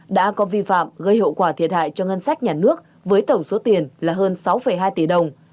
đã có vi phạm gây hậu quả thiệt hại cho ngân sách nhà nước với tổng số tiền là hơn sáu hai tỷ đồng